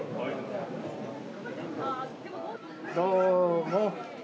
どうも。